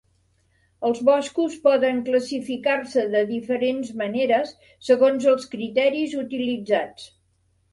Els boscos poden classificar-se de diferents maneres, segons els criteris utilitzats.